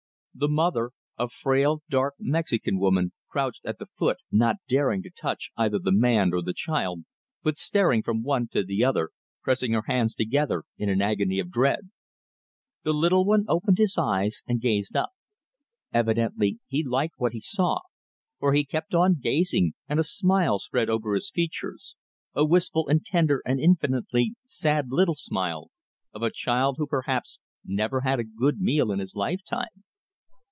The mother, a frail, dark Mexican woman, crouched at the foot, not daring to touch either the man or the child, but staring from one to the other, pressing her hands together in an agony of dread. The little one opened his eyes, and gazed up. Evidently he liked what he saw, for he kept on gazing, and a smile spread over his features, a wistful and tender and infinitely sad little smile, of a child who perhaps never had a good meal in his lifetime.